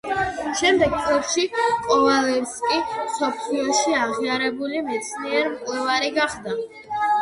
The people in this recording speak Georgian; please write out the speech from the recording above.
შემდეგ წლებში კოვალევსკი მსოფლიოში აღიარებული მეცნიერ-მკვლევარი გახდა.